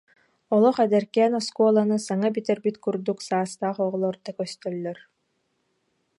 Олох эдэркээн оскуоланы саҥа бүтэрбит курдук саастаах оҕолор да көстөллөр